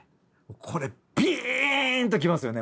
これビーンときますよね。